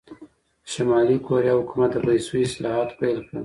د شلي کوریا حکومت د پیسو اصلاحات پیل کړل.